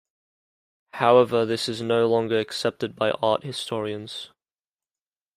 However, this is no longer accepted by art historians.